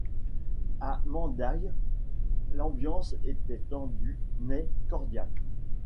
À Mandailles, l'ambiance était tendue mais cordiale.